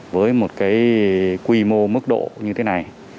với một cái quy mô mức độ như thế này